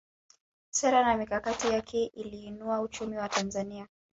sera na mikakati yake iliinua uchumi wa tanzania